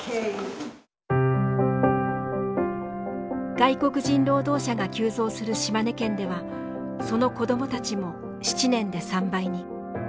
外国人労働者が急増する島根県ではその子どもたちも７年で３倍に。